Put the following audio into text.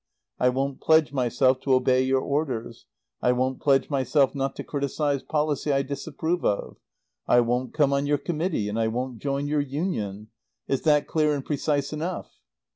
I won't pledge myself to obey your orders. I won't pledge myself not to criticize policy I disapprove of. I won't come on your Committee, and I won't join your Union. Is that clear and precise enough?"